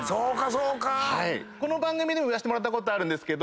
この番組でも言わせてもらったことあるんですけど。